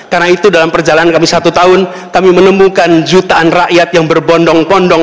karena itu dalam perjalanan kami satu tahun kami menemukan jutaan rakyat yang berbondong kondong